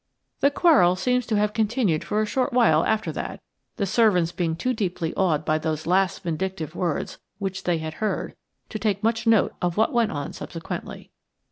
The quarrel seems to have continued for a short while after that, the servants being too deeply awed by those last vindictive words which they had heard to take much note of what went on subsequently.